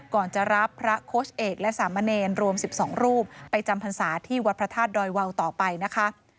ก่อนจะรับพระโค้ชเอกและสามเณรรวม๑๒รูปไปจำพรรษาที่วัดพระธาตุดอยวาวต่อไปนะคะ